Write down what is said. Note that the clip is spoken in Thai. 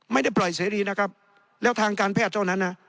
ไม่ได้ปล่อยเสรีนะครับแล้วทางการแพทย์เท่านั้นนะ